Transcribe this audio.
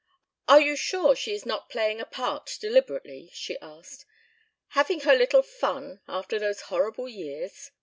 "Are you sure she is not playing a part deliberately?" she asked. "Having her little fun after those horrible years?